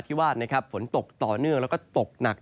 ก็จะมีการแผ่ลงมาแตะบ้างนะครับ